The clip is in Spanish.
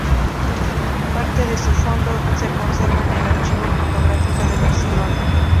Parte de su fondo se conserva en el Archivo Fotográfico de Barcelona.